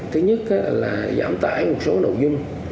thứ nhất là giảm tải một số nội dung